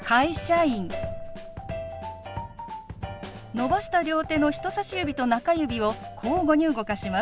伸ばした両手の人さし指と中指を交互に動かします。